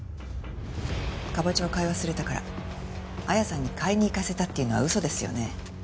カボチャを買い忘れたから彩矢さんに買いに行かせたっていうのは嘘ですよね。